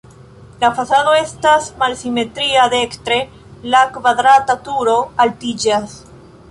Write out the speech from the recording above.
La fasado estas malsimetria, dekstre la kvadrata turo altiĝas.